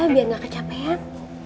biar gak kecapean